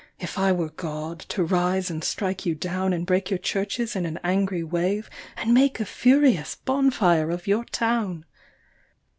If I were God, to rise and strike you down And break your churches in an angry wave And make a furious bonfire of your town